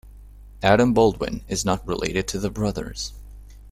Adam Baldwin is not related to the brothers.